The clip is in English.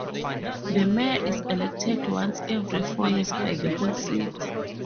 The mayor is elected once every four years by the whole city.